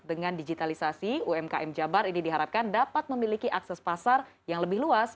dengan digitalisasi umkm jabar ini diharapkan dapat memiliki akses pasar yang lebih luas